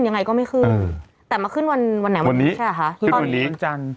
ยังไงก็ไม่ขึ้นแต่มาขึ้นวันวันไหนวันนี้ใช่เหรอคะขึ้นเลี้ยงจันทร์